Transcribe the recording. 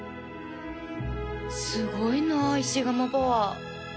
すごいな石窯パワー